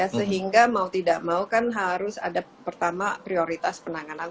sehingga mau tidak mau kan harus ada pertama prioritas penanganan